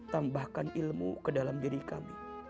tambahkan ilmu ke dalam diri kami